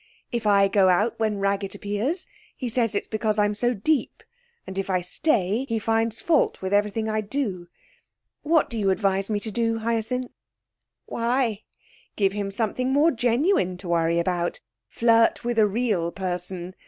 If I go out when Raggett appears, he says it's because I'm so deep; and if I stay he finds fault with everything I do. What do you advise me to do, Hyacinth?' 'Why, give him something more genuine to worry about flirt with a real person.